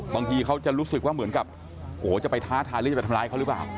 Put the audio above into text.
บางทีเขาจะรู้สึกว่าเหมือนกับโอ้โหจะไปท้าทายหรือจะไปทำร้ายเขาหรือเปล่า